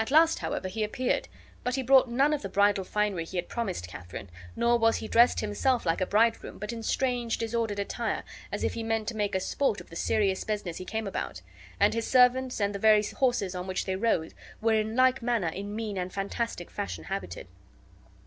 At last, however, he appeared; but he brought none of the bridal finery be had promised Katharine, nor was he dressed himself like a bridegroom, but in strange, disordered attire, as if he meant to make a sport of the serious business he came about; and his servant and the very horses on which they rode were in like manner in mean and fantastic fashion habited.